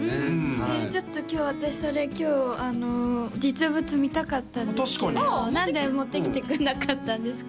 はいちょっと今日私それ実物見たかったんですけど何で持ってきてくれなかったんですか？